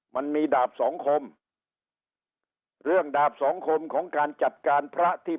มันมีดาบสองคมเรื่องดาบสองคมของการจัดการพระที่